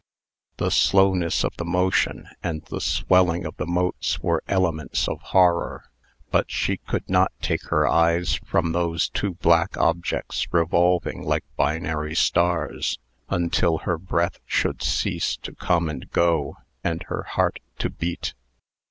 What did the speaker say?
The slowness of the motion and the swelling of the motes were elements of horror. But she could not take her eyes from those two black objects revolving like binary stars, until her breath should cease to come and go, and her heart to beat.